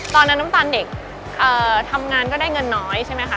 น้ำตาลเด็กทำงานก็ได้เงินน้อยใช่ไหมคะ